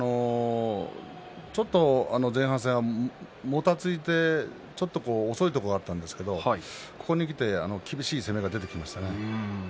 ちょっと前半戦もたついて遅いところもあったんですけど、ここにきて厳しい攻めが出てきましたね。